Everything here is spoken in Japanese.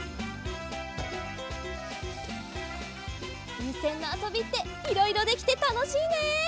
ふうせんのあそびっていろいろできてたのしいね！